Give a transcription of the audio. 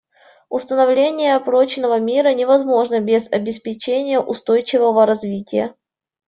Установление прочного мира невозможно без обеспечения устойчивого развития.